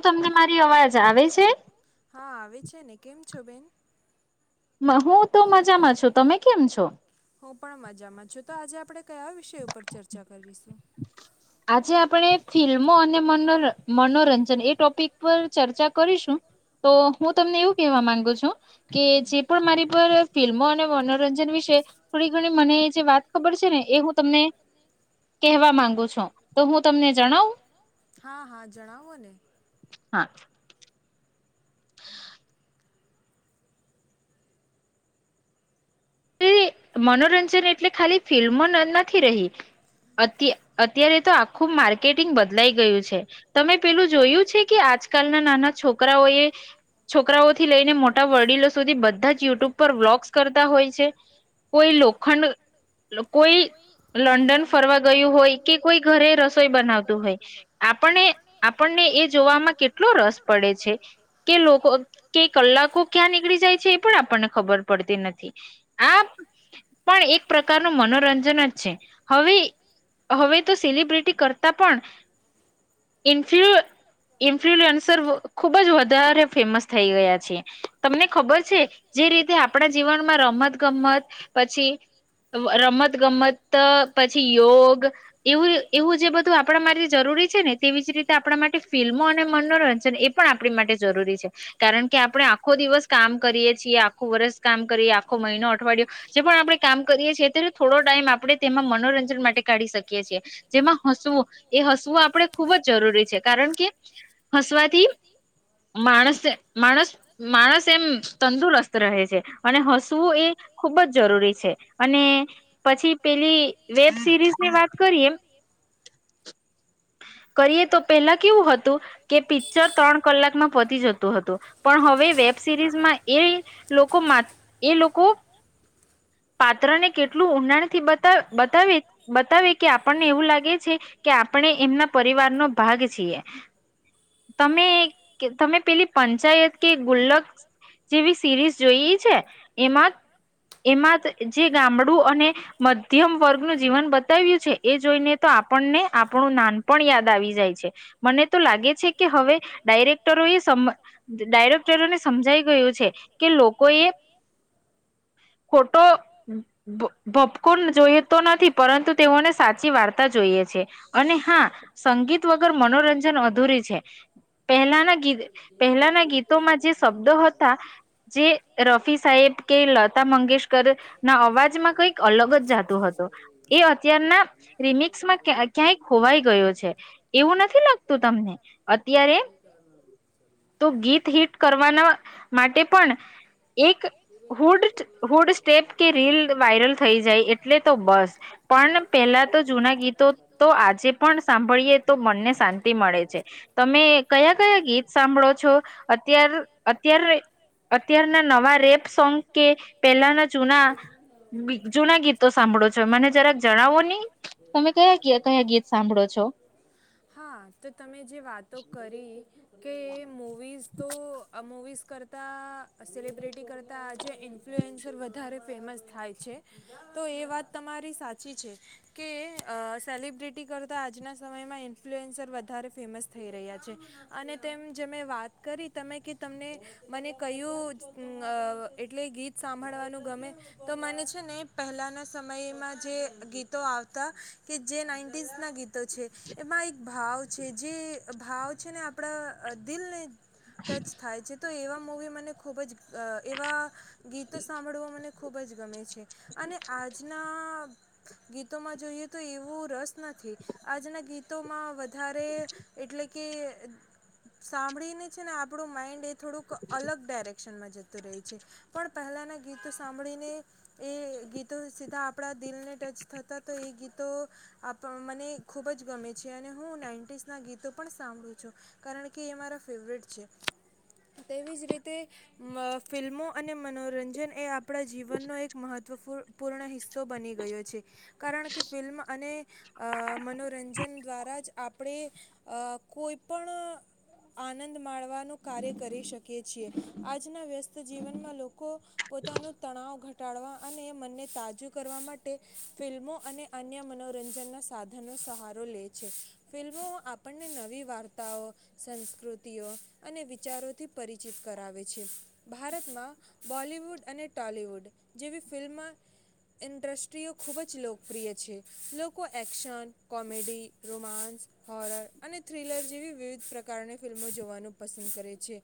તમને મારી અવાજ હા આવે છેને. કેમ છો બેન? હું તો મજામાં છું, તમે કેમ છો? તો આજે આપણે કયા વિષય ઉપર ચર્ચા કરીશું? મનોરંજન એ ટોપિક પર ચર્ચા કરીશું. તો હું તમને એવું કેહવા માંગુ છું કે જે પણ મારી પર ફિલ્મો અને મનોરંજન વિશે થોડી ઘણી મને જે વાત ખબર છે ને, એ હું તમને કેહવા માંગુ છું. તો હું તમને જણા હા, હા, જણાવો ને. હા. તે મનોરંજન એટલે ખાલી ફિલ્મો ન નથી રહી. અત્યા અત્યારે તો આખું માર્કેટિંગ બદલાઈ ગયું છે. તમે પેલું જોયું છે, કે આજકાલના નાના છોકરાઓએ, છોકરાઓથી લઈને મોટા વડીલો સુધી બધા જ યુ ટ્યુબ પર વ્લોગ્સ કરતા હોય. છે, કોઈ લોખંડ કોઈ લંડન ફરવા ગયું હોય, કે કોઈ ઘરે રસોઈ બનાવતું હોય આપણને અપ આપણને એ જોવામાં કેટલો રસ પડે છે, કે લોકો કે કલાકો ક્યાં નીકળી જાય છે, એ પણ આપણને ખબર પડતી નથી. આ, પણ એક પ્રકારનું મનોરંજન જ છે. હવે, હવે તો સેલિબ્રિટી કરતા પણ ઇન્ફ્લુ ઇન્ફ્લુઅન્સર ખુબ જ વધારે ફેમસ થઈ ગયા છે. તમને ખબર છે, જે રીતે આપણા જીવનમાં રમત ગમત, પછી રમત ગમત, પછી યોગ એવું એવું જે બધું આપણા માટે જરૂરી છે ને, તેવી જ રીતે આપણા માટે ફિલ્મો અને મનોરંજન એ પણ આ આપડી માટે જરૂરી છે. કારણ કે આપણે આખો દિવસ કામ કરીએ છીએ, આખું વરસ કામ કરીએ આખો મહિનો અઠવાડિયું, જે પણ આપણે કામ કરીએ છીએ ત્યારે થોડો ટાઈમ આપણે તેમાં મનોરંજન માટે કાઢી સકીએ છીએ, જેમાં હસવું એ હસવું આપણે ખૂબ જ જરૂરી છે, કારણ કે હસવાથી માણસ માણસ માણસ એમ તંદુરસ્ત રહે છે. અને હસવું ખુબ જ જરૂરી છે. અને પછી પેલી વેબ સિરીઝની વાત કરીએ કરીએ, તો પેલા કેવું હતું કે પિક્ચર તણ કલાકમાં પતી જતું હતું, પણ હવે વેબ સિરીઝમાં એ લોકો મા એ લોકો પાત્ર ને કેટલું ઊંડાણથી બતા બતાવે બતાવે કે આપણને એવું લાગે છે, કે આપણે એમના પરિવારનો ભાગ છીએ. તમે, તમે પેલી પંચાયત કે ગુલ્લક જેવી સિરીઝ જોઈએ છે? એમાં પ એમાં જે ગામડું અને મધ્યમ વર્ગનું જીવન બતાવ્યું છે એ જોઈને તો આપણને આપણું નાન પણ યાદ આવી જાય છે. મને તો લાગે છે કે હવે, ડાયરેક્ટરો એ સમ ડાયરેક્ટરોને સમજાઈ ગયું છે કે લોકોએ ખોટો ભપકો જોઈતો નથી, પરંતુ તેઓને સાચી વાર્તા જોઈએ છે. અને હા, સંગીત વગર મનોરંજન અધૂરી છે. પહેલાના ગીત, પહેલાના ગીતોમાં જે શબ્દો હતા જે રફી સાહેબ કે લ લતા મંગેશકરના અવાજમાં કંઈક અલગ જ જાદુ હતો. એ અત્યારના રિમિક્સમાં ક્યાંક ક્યાંય ખોવાઈ ગયો છે, એવું નથી લાગતું તમને? અત્યારે તો ગીત હિટ કરવાના માટે પણ એક હુડ હુડ સ્ટેપ કે રીલ વાયરલ થઈ જાય એટલે તો બસ! પણ પેલા તો જૂના ગીતો તો આજે પણ સાંભળીએ તો મનને સાંતિ મળે છે. તમે કયા કયા ગીત સાંભળો છો? અત્યાર અત્યારે અત્યારના નવા રેપ સોંગ કે પહેલાના જૂના બી જૂના ગીતો સાંભળો છો મને જરાક જણાવો, ને તમે કયા કયા કોના ગીત સાંભળો છો? કે મુવીઝ કરતા, સેલિબ્રિટી કરતા આજે ઈન્ ઇન્ફ્લુએન્સર વધારે ફેમસ થાય છે. તો એ વાત તમારી સાચી છે કે અ સેલિબ્રિટી કરતાં આજના સમયમાં ઇન્ફ્લુએન્સર વધારે ફેમસ થઈ રહ્યા છે અને તેમ જે મે વાત કરી તમે કે તમને મને કયું ન અ એટલે ગીત સાંભળવાનું ગમે, તો મને છે ને પહેલાંના સમયમાં જે ગીતો આવતા કે જે નાઇન્ટીસનાં ગીતો છે. એમાં એક ભાવ છે જે ભાવ છે ને આપણા અ દિલને ટચ થાય છે તો એવા મવી મને ખૂબ જ એવા ગીતો સાંભળવો મને ખુબ જ ગમે છે. અને આજના ગીતોમાં જોઈએ તો એવું રસ નથી આજના ગીતોમાં વ વધારે એટલે કે સાંભળીને છે ને આપડું માઇન્ડ એ થોડુંક અલગ ડાયરેક્ટ ક્શનમાં જતું રહે છે. પણ પહેલાંનાં ગીતો સાંભળીને એ ગીતો સીધા આપણા દિલને ટચ થતાં તો એ ગીતો આપ મને ખૂબ જ ગમે છે અને હું નાઇન્ટીસના ગીતો પણ સાંભળું છું કારણ કે એ મારા ફેવરેટ છે તેવી જ રીતે ફિલ્મો અને મનોરંજન એ આપ આપણા જીવનનો એક મહત્વપૂર્ણ પૂર્ણ હિસ્સો બની ગયો છે કારણ કે ફિલ્મ અને અ મનોરંજન દ્વારા જ આપણે કોઈ પણ આનંદ માણવાનું કાર્ય કરી શકીએ છીએ આજના વ્યસ્ત જીવનમાં લોકો પોતાનું તણાવ ઘટાડવા અને મનને તાજું કરવા માટે ફિલ્મો અને અન્ય મનોરંજનના સાધનો સહારો લે છે. ફિલ્મો આપણને નવી વાર્તાઓ સંસ્કૃતિઓ અને વિચારોથી પરિચિત કરાવે છે. ભારતમાં બોલવૂડ અને ટોલીવૂડ જેવી ફિલ્મ ઇન્ડસ્ટ્રીઓ ખૂબ જ લોકપ્રિય છે લોકો એક્શન કોમેડી રોમાન્સ હોરર અને થ્રિલર જેવી વિવિધ પ્રકારની ફિલ્મો જોવાનું પસંદ કરે છે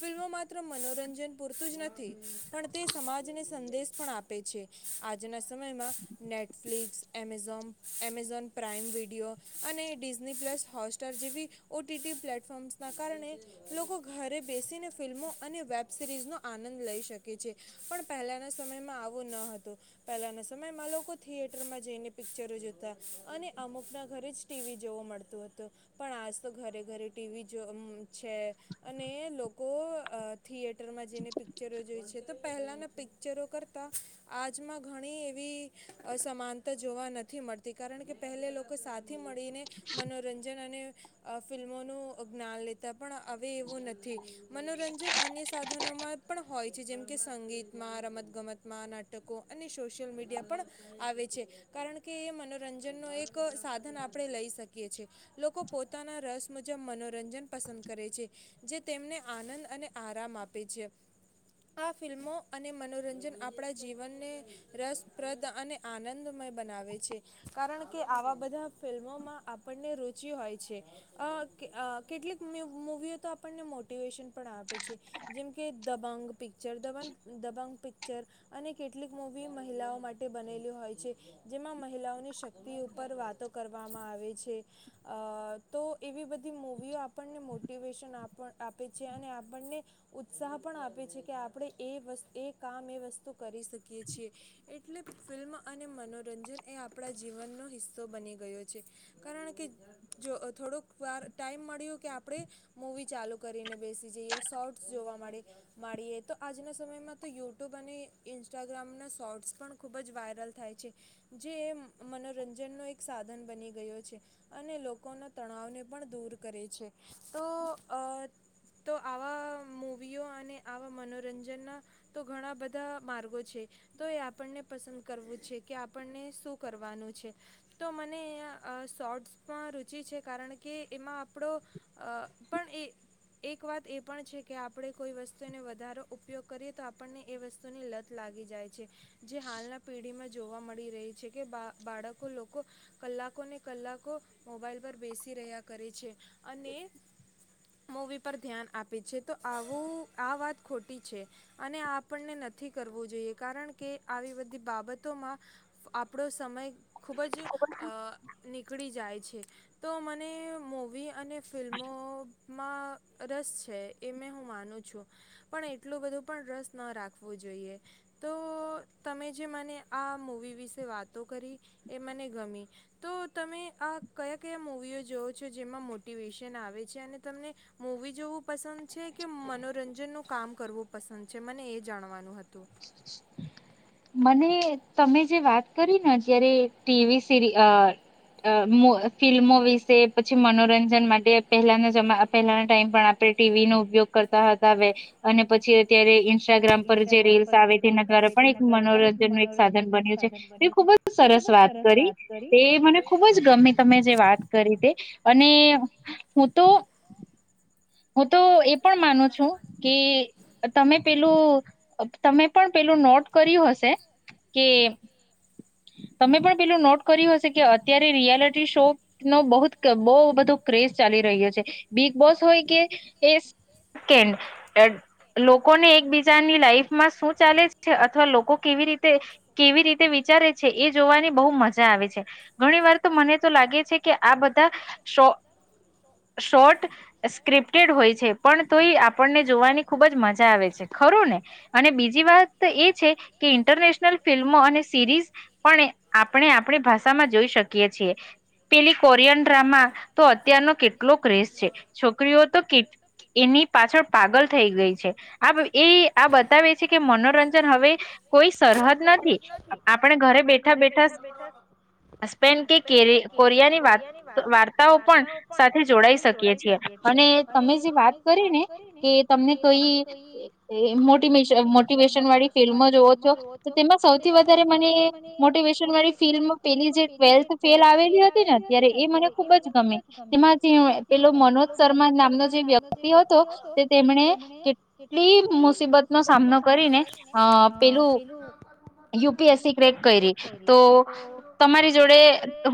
ફિલ્મો માત્ર મનોરંજન પૂરતું જ નથી પણ તે સમાજને સંદેશ પણ આપે છે આજના સમયમાં Netflix Amazon Amazon Prime Video અને ડિઝની પ્લસ હોટસ્ટાર જેવી ઓટીટી પ્લેટફોર્મ્સના કારણે લોકો ઘરે બેસીને ફિલ્મો અને વેબ [inaudible] આનંદ લઈ શકે છે પણ પહેલાના સમયમાં આવું ન હતું પહેલાના સમયમાં લોકો થિયેટરમાં જઈને પિક્ચરો જોતા અને અમુકના ઘરે જ ટીવી જોવું મળતું હતું પણ આજ તો ઘરે ઘરે ટીવી જો છે અને લોકો થિયેટ માં જઈને પિક્ચરો જોઈ છે. તો પહેલાના પિક્ચરો કરતા આજમાં ઘણી એવી સમાનતા જોવા નથી મળતી કારણ કે પહેલા લોકો થી મળીને મનોરંજન અને ફિલ્મોનું જ્ઞાન લેતા પણ હવે એવું નથી મનોરંજન અન્ય સાધન સાધનોમાં પણ હોય છે જેમ કે સંગીતમાં રમત ગમતમાં નાટકો અને સોશિયલ મીડિયા પણ આવે છે કારણ કે એ મનો રંજન નો એક સાધન આપ આપણે લઈ શકીએ છીએ લોકો પોતાના રસ મુજબ મનોરંજન પસંદ કરે છે જે તેમને આનંદ અને આરામ આપે આ ફિલ્મો અને મનોરંજન આપણા જીવનને રસપ્રદ અને આનંદ મય બનાવે છે. કારણ કે આવા બધા ફિલ્મોમાં આપણને રુચિ હોય છે. અ અ કેટલીક મુૂવીઓ તો આપણને મોટિવેશન પણ આપે છે. જેમકે દબંગ પિક્ચર દબંગ દબંગ પિક્ચર અને કેટલીક મૂવી મહિલાઓ માટે બનેલી હોય છે જેમાં મહિલાઓની શક્તિ ઉપર વાતો કરવામાં આવે છે. અ તો એવી બધી મવીઓ આપણને મોટિવેશન આપે છે અને આપણને ઉત્સાહ પણ આપે છે કે આપણે એ વ એ કામ એ વસ્તુ કરી શકીએ છીએ એટલે ફિલ્મ અને મનોરંજન એ આપણા જીવનનો હિસ્સો બની ગયો છે કારણ કે જો થોડોક વાર ટાઈમ મળ્યો કે આપણે મૂવી ચાલુ કરીને બેસી જઈએ શોર્ટ જોવા મળે મળે માંડીએ તો આજના સમયમાં તો યુટ્યુબ અને ઇન્સ્ટાગ્રામના શોર્ટ્સ પણ ખૂબ જ વાયરલ થાય છે જે મનોરંજનનો એક સાધન બની ગયો છે અને લોકોના તણાવને પણ દૂર કરે છે તો તો આવા મુવીઓ અને આવા મનોરંજનના તો ઘણા બધા માર્ગો છે તો એ આપણને પસંદ કરવું છે કે આપણને શું કરવાનું છે. તો મને અહીંયા અ શોર્ટમાં રુચિ છે કારણ કે એમાં આપડો અ એક વાત એ પણ છે કે આપણેે કોઈ વસ્તુને વધારો ઉપયોગ કરીએ તો આપણને એ વસ્તુની લત લાગી જાય. છે. જે હાલના પેઢીમાં જોવા મળી રહી છે કે બા બાળકો લોકો કલાકોને કલાકો મોબાઈલ પર બેસી રહ્યા કરે છે અને મૂવી પર ધ્યાન આપે છે. તો આવું આ વાત ખોટી છે અને આ આપણને નથી કરવું જોઈએ. કારણ કે આવી બધી બાબતોમાં આપણો સમય ખુબ જ અ નીકળી જાય છે. તો મને મૂવી અને ફિલ્મોમાં રસ છે. એમે હું માનું છું પણ એટલું બધું પણ રસ ન રાખવું જોઈએ. તો તમે જે મને આ મૂવી વિશે વાતો કરી એ મને ગમી તો તમે આ કયા કયા મૂવીઓ જોવઓ છો? જેમાં મોટિવેશન આવે છે અને તમને મૂવી જોવું પસંદ છે કે, મનોરંજનનું કામ કરવું પસંદ છે, મને એ જાણવાનું હ મને તમે જે વાત કરી ને, જયારે ટીવી સીરી અ અ મો ફિલ્મો વિશે, પછી મનોરંજન માટે પહેલાના જમાં અ પહેલાના ટાઈમ પણ આપણે ટીવી નો ઉપયોગ કરતા હતા વે અને પછી અત્યારે ઈન્સ સ્ટાગ્રામ પર જે રીલ્સ તોય તેના દ્વારા પણ એક મનોરંજનનો એક સાધન બન્યું છે. તે ખૂબ જ સરસ વાત કરી. તે મને ખૂબ જ ગમી તમે જે વાત કરી તે. અને એ હું તો હું તો, એ પણ માનું છું કે, તમે પેલું અપ, તમે પણ પેલું નોટ કર્યું હશે કે તમે પણ પેલું નોટ કર્યું હશે કે, અત્યારે રિયાલિટી શો નો બહુ ક બોવ બધું ક્રેઝ ચાલી રહ્યો છે. બિગ બોસ હોય કે એસકેન્ડ એ લોક કોને એકબીજાની લાઈફમાં સું ચાલે છે, અથવા લોકો કેવી રીતે, કેવી રીતે વિચારે છે, એ જોવાની બહુ મજા આવે છે. ઘણી વાર તો મને તો લાગે છે કે, આ બધા શો શોર્ટ સ્ક્રિપ્ટેડ હોય છે. પણ તોય આપણને જોવાની ખૂબ જ મજા ખરું ને? અને બીજી વાત એ છે, કે ઇન્ટરનેશનલ ફિલ્મો અને સિરીઝ પણ આપણે આપણી ભાષામાં જોઈ શકીએ છીએ. પેલી કોરિયન ડ્રામા તો અત્યારનો કેટલો ક્રેઝ છે. છોકરીઓ તો કેટ એની પાછળ પાગલ થઈ ગઈ છે. આપ એ, આ બતાવે છે કે, મનોરંજન હવે કોઈ સરહદ નથી. આપણે ઘરે બેઠા બેઠા સ સ્પેન કે કેરી કોરિયાની વાત વાર્તાઓ પણ સાથે જોડાઈ સકીએ છીએ. અને તમે જે વાત કરી ને કે તમને કોઈ એ એ મોટીમેશ અ મોટિવેશન વાળી ફિલ્મો જોવો છો, તો તેમાં સૌથી વધારે મને મોટિવેશનવાળી ફિલ્મ પેલી જે ટ્વેલ્થ ફેલ આવેલી હતી ને અત્યારે, એ મને ખુબ જ ગમી. તેમાં જે પેલો મનોજ શર્મા નામનો જે વ્યક્તિ હતો તે તેમણે કે કેટલી મુસીબતનો સામનો કરીને અ પેલું U P S C crack કયરી. તો તમારી જોડે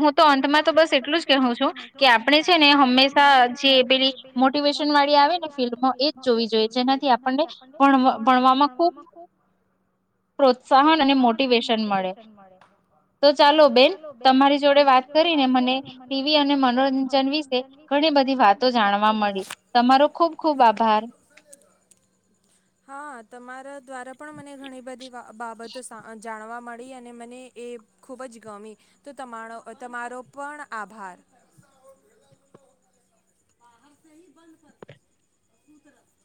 હું તો અંતમાં તો બસ એટલું જ કહું છું કે, આપણે છે ને હંમેશા જે પેલી મોટિવેશન વાળી આવે ને ફિલ્મમો એજ જોવી જોઈએ જેનાથી આ પણને ભણવ ભણવામાં ખુબ પ્રોત્સાહન અને મોટિવેશન મળે. તો ચાલો બેન તમારી જોડે વાત કરીને મને ટીવી અને મનોરંજન વિશે ઘણી બધી વાતો જાણવા મળી. તમારો ખૂબ ખૂબ આભાર. હા, તમારા દ્વારા પણ મને ઘણી બધી બા બાબતો સા અ જાણવા મળી અને મને એ ખૂબ જ ગમી. તો તમાણો અ તમારો પણ આભાર. એસે હી બંધ કર ઉ તરફ.